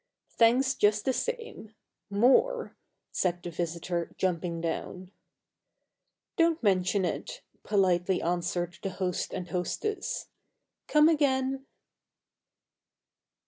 "Thanks, just the same more," said the visitor jumping down. "Don't mention it," politely answered the host and hostess. "Come again!"